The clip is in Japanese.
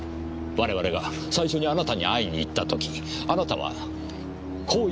我々が最初にあなたに会いに行った時あなたはこう言いました。